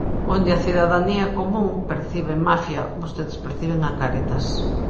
Onde a cidadanía común percibe mafia vostedes perciben a Cáritas.